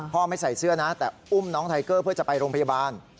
ไม่ใส่เสื้อนะแต่อุ้มน้องไทเกอร์เพื่อจะไปโรงพยาบาล